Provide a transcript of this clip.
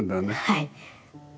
はい。